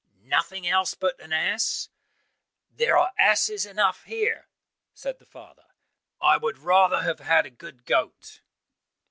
"Nothing else but an ass." "There are asses enough here," said the father, "I would rather have had a good goat."